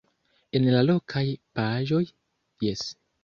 En la lokaj paĝoj - jes.